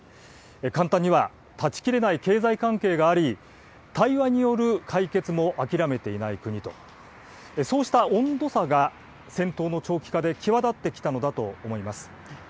簡単には断ち切れない経済関係があり、対話による解決も諦めていない国と、そうした温度差が、戦闘の長期化で際立ってきたのだと思います。